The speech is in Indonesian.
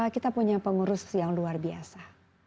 kita punya pengurus yang luar biasa